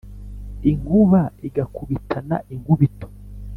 inkuba igakubitana inkubito